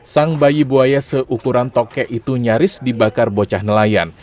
sang bayi buaya seukuran toke itu nyaris dibakar bocah nelayan